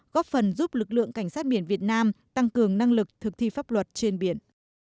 góp phần giúp lực lượng cảnh sát biển việt nam tăng cường năng lực thực thi pháp luật trên biển